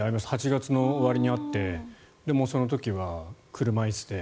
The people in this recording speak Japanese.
８月の終わりに会ってその時は車椅子で。